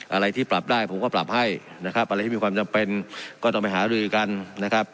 อะไรที่ปรับได้ผมก็ปรับให้นะครับอะไรที่มีความจำเป็นก็ต้องไปหารือกันนะครับ